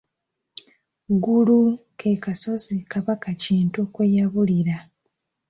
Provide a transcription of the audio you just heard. Ggulu ke kasozi Kabaka Kintu kweyabulira.